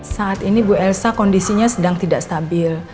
saat ini bu elsa kondisinya sedang tidak stabil